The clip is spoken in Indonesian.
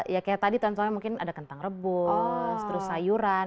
ya kayak tadi contohnya mungkin ada kentang rebus terus sayuran